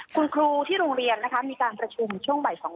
คุณครูที่โรงเรียนนะคะมีการประชุมช่วงบ่าย๒